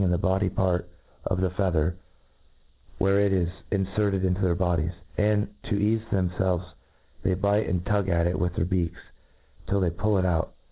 in the bloody part of the feather, where it ik Iffferted into their bodies ; and, to eafc them felvcs, they bite and tug at it with their beaks, tilt they pull it out.